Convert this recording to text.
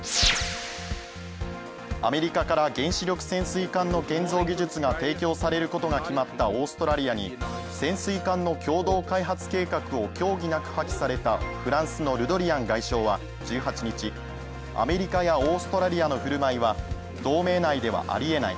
アメリカから原子力潜水艦の建造技術が提供されることが決まったオーストラリアに潜水艦の共同開発計画を協議なく破棄されたフランスのルドリアン外相は１８日、「アメリカやオーストラリアの振る舞いは同盟内ではありえない。